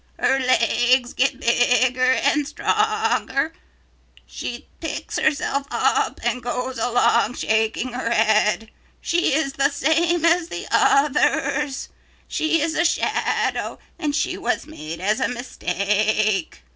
Her legs get bigger and stronger. She picks herself up and goes along shaking her head. She is the same as the others. She is a shadow and she was made as a mistake.